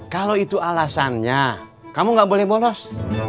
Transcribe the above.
kalau itu alasannya kamu gak boleh bolos